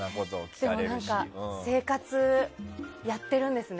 でも、生活やってるんですね。